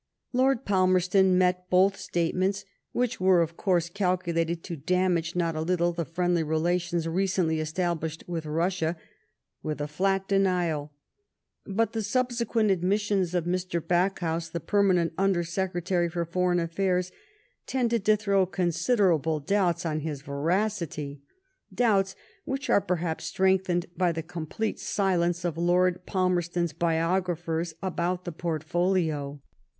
Lord Palmerston met both statements, which were of course calculated to damage not a little the friendly relations recently established with Russia, with a flat denial ; but the subsequent admissions of Mr. Backhouse, the permanent Under Secretary for Foreign Affairs, tended to throw considerable doubts on his veracity ; doubts which are, perhaps, strengthened by the complete silence of Lord Falmerston's biographers about the Portfolio.